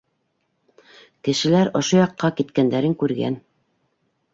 Кешеләр ошо яҡҡа киткәндәрен күргән.